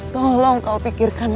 tolong kau pikirkan